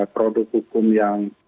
produk hukum yang